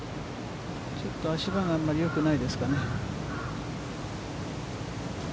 ちょっと足場があんまりよくないですかね。